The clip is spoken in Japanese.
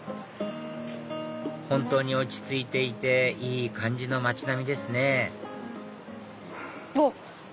本当に落ち着いていていい感じの街並みですねえっ？